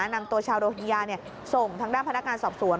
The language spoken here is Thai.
นางตัวชาวโรฮิงญาเนี่ยส่งทั้งด้านพนักการสอบสวน